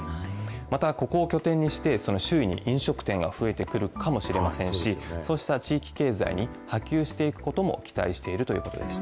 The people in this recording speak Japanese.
また、ここを拠点にして、その周囲に飲食店が増えてくるかもしれませんし、そうした地域経済に波及していくことも期待しているということでした。